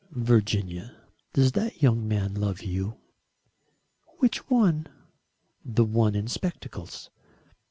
"Virginia, does that young man love you?" "Which one?" "The one in spectacles."